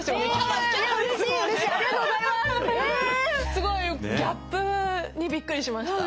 すごいギャップにびっくりしました。